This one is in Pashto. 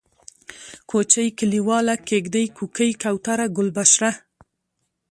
کوچۍ ، کليواله ، کيږدۍ ، کوکۍ ، کوتره ، گلبشره